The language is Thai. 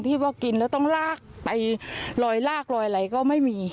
ที่ว่ากินแล้วต้องลากไปลอยลากลอยอะไรก็ไม่มี